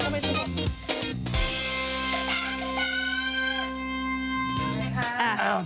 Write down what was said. เมล์เอาเอาไว้ซักครั้ง